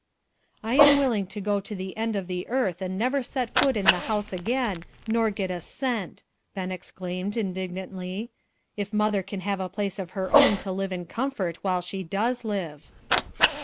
"I am willing to go to the end of the earth and never set foot in the house again, nor get a cent," Ben exclaimed indignantly, "if mother can have a place of her own to live in comfort while she does live."